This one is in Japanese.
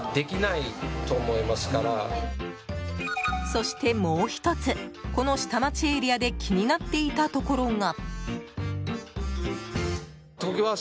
そして、もう１つこの下町エリアで気になっていたところが。